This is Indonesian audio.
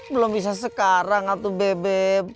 belum bisa sekarang atu bebe